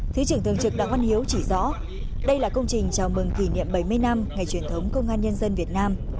thứ trưởng thường trực đặng văn hiếu chỉ rõ đây là công trình chào mừng kỷ niệm bảy mươi năm ngày truyền thống công an nhân dân việt nam